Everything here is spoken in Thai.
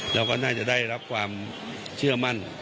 เราก็น่าจะได้รับความเชื่อมั่น